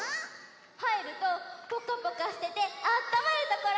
はいるとぽかぽかしててあったまるところ。